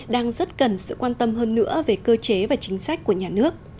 đang rất cần sự quan tâm hơn nữa về cơ chế và chính sách của nhà nước